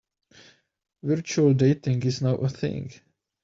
Virtual dating is now a thing.